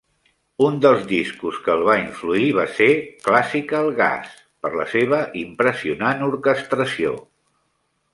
Un dels discos que el va influir va ser "Classical Gas", per la seva impressionant orquestració.